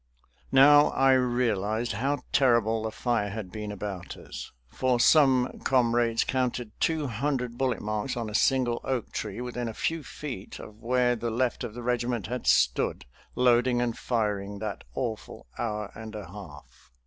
Now I realized how terrible the fire had been about us, for some comrades counted two hundred bullet marks on a single oak tree within a few feet of where the left of the regiment had stood loading and firing that awful hour and a half.